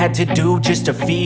gak ada apa